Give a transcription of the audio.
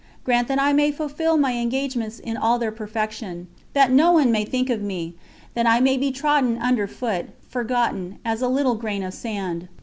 "Grant that I may fulfill my engagements in all their perfection; that no one may think of me; that I may be trodden under foot, forgotten, as a little grain of sand.